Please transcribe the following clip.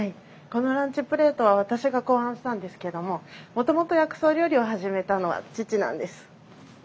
このランチプレートは私が考案したんですけどももともと薬草料理を始めたのは父なんです。